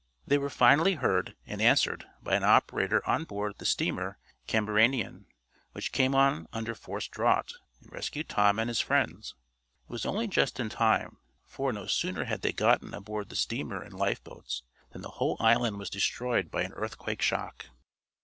They were finally heard, and answered, by an operator on board the steamer Camberanian, which came on under forced draught, and rescued Tom and his friends. It was only just in time, for, no sooner had they gotten aboard the steamer in lifeboats, than the whole island was destroyed by an earthquake shock.